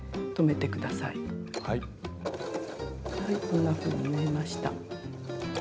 こんなふうに縫えました。